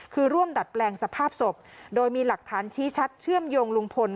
คือร่วมดัดแปลงสภาพศพโดยมีหลักฐานชี้ชัดเชื่อมโยงลุงพล